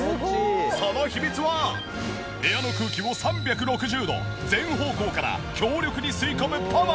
その秘密は部屋の空気を３６０度全方向から強力に吸い込むパワーと。